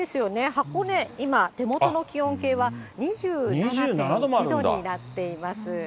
箱根、今、手元の気温計は２７．１度になっています。